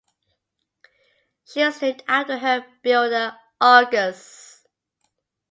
She was named after her builder, Argus.